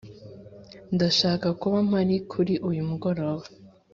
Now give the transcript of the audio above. ndashaka kuba mpari kuri uyu mugoroba.